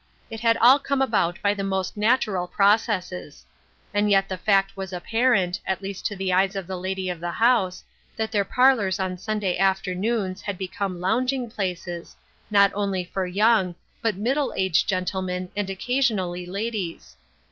It had all come about by the most natural processes. And yet the fact was apparent, at least to the eyes of the lady of the house, that their parlors on Sunday afternoons had become lounging places, not only for young, but middle aged gentlemen, and occasionally ladies.